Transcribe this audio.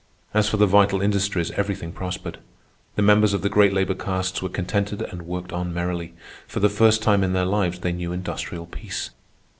As for the vital industries, everything prospered. The members of the great labor castes were contented and worked on merrily. For the first time in their lives they knew industrial peace.